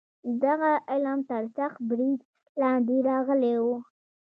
دغه علم تر سخت برید لاندې راغلی و.